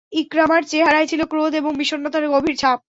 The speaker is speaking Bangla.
ইকরামার চেহারায় ছিল ক্রোধ এবং বিষন্নতার গভীর ছাপ।